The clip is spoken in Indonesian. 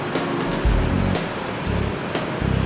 jalan jalan men